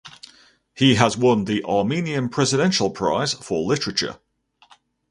He has won the Armenian Presidential Prize for Literature.